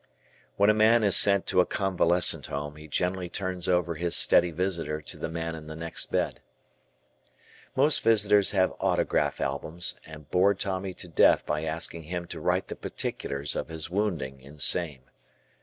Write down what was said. When a man is sent to a convalescent home, he generally turns over his steady visitor to the man in the next bed. Most visitors have autograph albums and bore Tommy to death by asking him to write the particulars of his wounding in same.